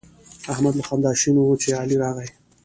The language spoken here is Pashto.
احمد له خندا شین وو چې علي راغی.